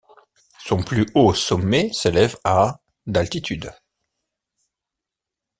Son plus haut sommet s'élève à d'altitude.